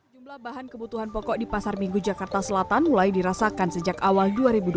jumlah bahan kebutuhan pokok di pasar minggu jakarta selatan mulai dirasakan sejak awal dua ribu dua puluh